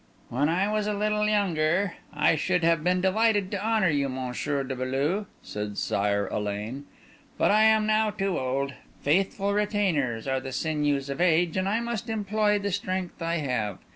"When I was a little younger, I should have been delighted to honour you, Monsieur de Beaulieu," said Sire Alain; "but I am now too old. Faithful retainers are the sinews of age, and I must employ the strength I have.